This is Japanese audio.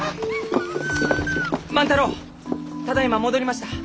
万太郎ただいま戻りました。